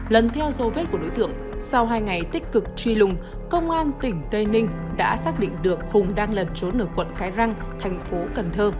lần theo dấu vết của đối tượng sau hai ngày tích cực tri lùng công an tỉnh tây ninh đã xác định được hùng đang lần trốn ở quận cái răng tp cn